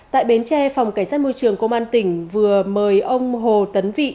tại bến tre phòng cảnh sát môi trường công an tỉnh vừa mời ông hồ tấn vị